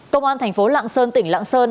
tổng an thành phố lạng sơn tỉnh lạng sơn